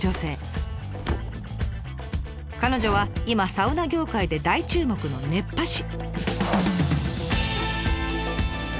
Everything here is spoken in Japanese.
彼女は今サウナ業界で大注目の熱波師。